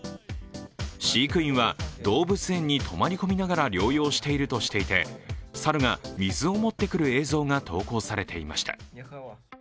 飼育員は動物園に泊まり込みながら療養しているとしていて猿が水を持ってくる映像が投稿されていました。